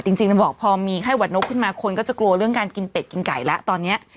จริงจะบอกพอมีไข้หวัดนกขึ้นมาคนก็จะกลัวเรื่องการกินเป็ดกินไก่แล้วตอนนี้